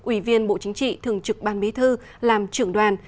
ủy viên bộ chính trị thường trực ban bí thư làm trưởng đoàn